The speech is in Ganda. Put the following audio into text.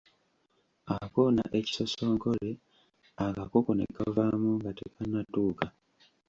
Akoona ekisosonkole, akakoko ne kavamu nga tekannatuuka.